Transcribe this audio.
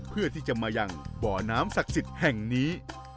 เพื่อที่จะมายังบ่อน้ำศักดิ์สิทธิ์แห่งนี้